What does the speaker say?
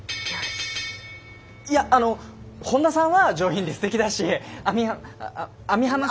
いやあの本田さんは上品ですてきだしあみ網浜さんも。